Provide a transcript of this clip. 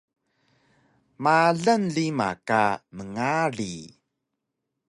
Malan rima ka mngari